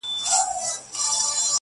بس وینا کوه د خدای لپاره سپینه,